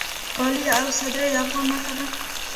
کالي او صدرۍ د افغاني نښه ده